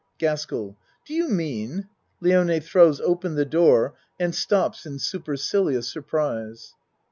GASKELL Do you mean (Lione throws open the door and stops in supercilious surprise.)